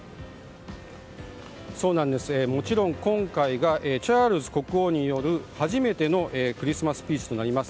もちろん今回がチャールズ国王による、初めてのクリスマススピーチとなります。